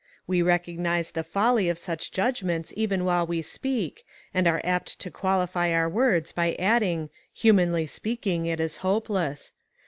We recognize the folly of such judgments even while we speak, and are apt to qualify our. words by adding 'humanly speaking, it is hopeless.'